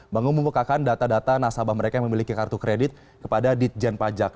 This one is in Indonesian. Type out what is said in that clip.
bangun membukakan data data nasabah mereka yang memiliki kartu kredit kepada ditjen pajak